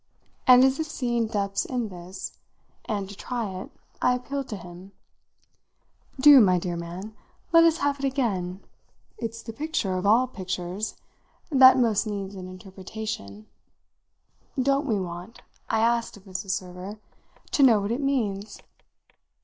And as if seeing depths in this, and to try it, I appealed to him. "Do, my dear man, let us have it again. It's the picture, of all pictures, that most needs an interpreter. Don't we want," I asked of Mrs. Server, "to know what it means?"